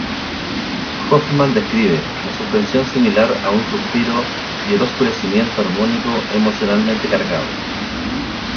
Hofmann describe "la suspensión similar a un suspiro y el oscurecimiento armónico emocionalmente cargado".